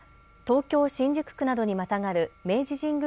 また東京新宿区などにまたがる明治神宮